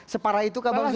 separa itu kah bang usman